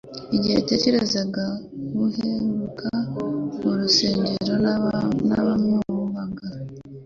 igihe yitegerezaga buheruka Urusengero n'abamwumvaga.